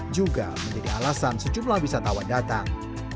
juga menjadi alasan sejumlah wisatawan datang